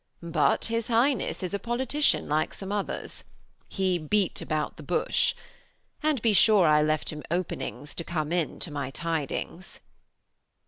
But his Highness is a politician like some others. He beat about the bush. And be sure I left him openings to come in to my tidings.'